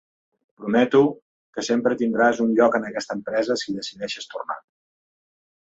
Prometo que sempre tindràs un lloc en aquesta empresa si decideixes tornar.